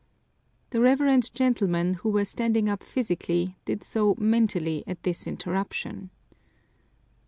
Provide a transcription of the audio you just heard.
The reverend gentlemen, who were standing up physically, did so mentally at this interruption.